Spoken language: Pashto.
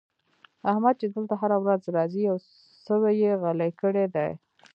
احمد چې دلته هره ورځ راځي؛ يو سوی يې غلی کړی دی.